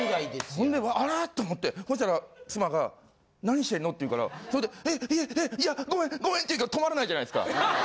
ほんであらっ？と思ってそしたら妻が「何してんの？」って言うからそれで「えいやごめんごめん！」って言うけど止まらないじゃないですか。